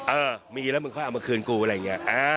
เออมีแล้วมึงค่อยเอามาคืนกูอะไรอย่างนี้